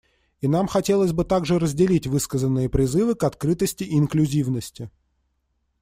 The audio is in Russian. И нам хотелось бы также разделить высказанные призывы к открытости и инклюзивности.